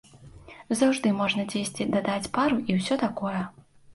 Заўжды можна дзесьці дадаць пару і ўсе такое.